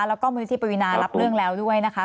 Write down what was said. แล้วก็มูลนิธิปวีนารับเรื่องแล้วด้วยนะคะ